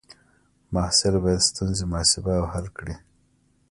محصل باید ستونزې محاسبه او حل کړي.